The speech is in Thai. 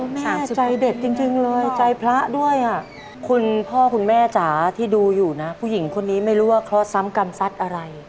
สามสุดใจเด็ดจริงเลยใจพระด้วยอ่ะคุณพ่อคุณแม่จ๋าที่ดูอยู่นะผู้หญิงคนนี้ไม่รู้ว่าเคราะห์ซ้ำกรรมสัตว์อะไร